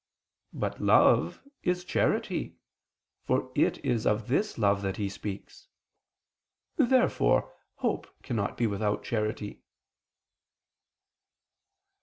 But love is charity: for it is of this love that he speaks. Therefore hope cannot be without charity.